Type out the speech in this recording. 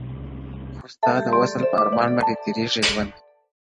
خو ستا د وصل په ارمان باندي تيريږي ژوند;